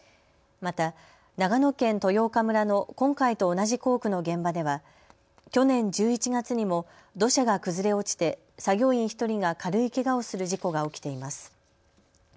また長野県豊丘村の今回と同じ工区の現場では去年１１月にも土砂が崩れ落ちて作業員１人が軽いけがをする事故が起きています。